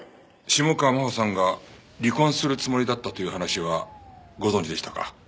下川真帆さんが離婚するつもりだったという話はご存じでしたか？